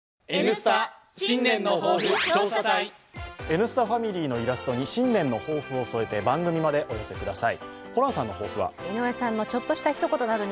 「Ｎスタ」ファミリーのイラストに新年の抱負を添えて番組までお寄せください。